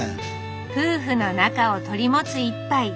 夫婦の仲をとりもつ一杯。